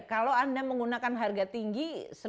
kalau anda menggunakan harga tinggi